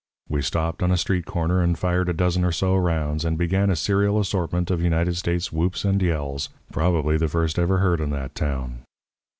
We stopped on a street corner and fired a dozen or so rounds, and began a serial assortment of United States whoops and yells, probably the first ever heard in that town.